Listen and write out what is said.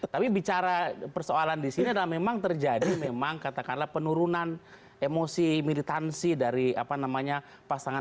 tapi bicara persoalan di sini adalah memang terjadi memang katakanlah penurunan emosi militansi dari apa namanya pasangan